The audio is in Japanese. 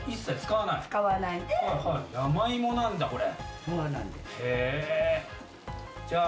山芋なんだ、これ。